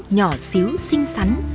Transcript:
nhỏ xíu xinh xắn